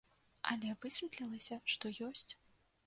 Але высветлілася, што ёсць!